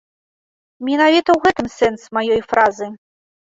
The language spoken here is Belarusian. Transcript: Менавіта ў гэтым сэнс маёй фразы.